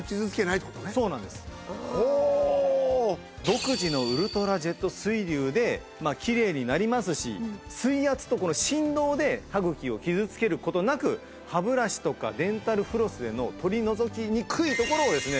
独自のウルトラジェット水流できれいになりますし水圧と振動で歯茎を傷つける事なく歯ブラシとかデンタルフロスでの取り除きにくいところをですね